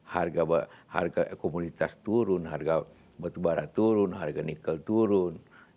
harga komoditas turun harga batubara turun harga nikel turun